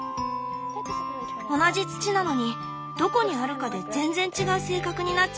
同じ土なのにどこにあるかで全然違う性格になっちゃうのが面白い！